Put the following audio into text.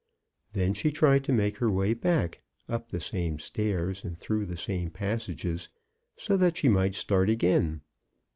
Then she tried to make her way back, up the same stairs and through the same passages, so that she might start again.